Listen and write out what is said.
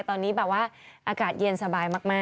ตอนนี้แบบว่าอากาศเย็นสบายมาก